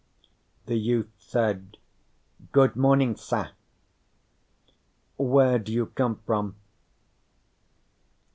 The youth said: "Good morning, sa." "Where do you come from?"